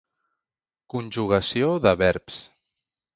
Conjugació de verbs.